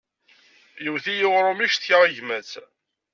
Yewwet-iyi urumi, ccektaɣ i gma-s.